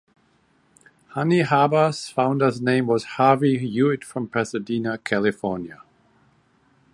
Honey Harbour's founder's name was Harvey Hewitt from Pasadena, California.